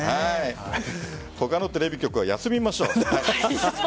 他のテレビ局は休みましょう。